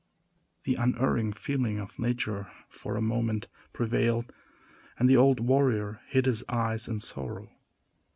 The unerring feeling of nature for a moment prevailed and the old warrior hid his eyes in sorrow.